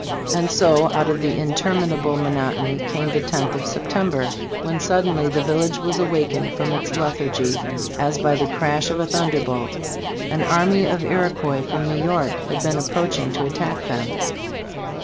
'' And so out of the interminable monotony came the loth of September ; when "suddenly the village was awakened from its lethargy as by the crash of a thunderbolt." An army of Iroquois from New York had been seen approach ing to attack them.